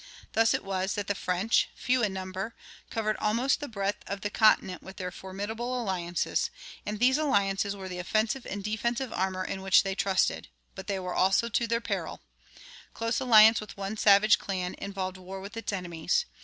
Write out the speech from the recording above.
Thus it was that the French, few in number, covered almost the breadth of the continent with their formidable alliances; and these alliances were the offensive and defensive armor in which they trusted, but they were also their peril. Close alliance with one savage clan involved war with its enemies.